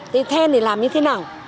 thế then thì làm như thế nào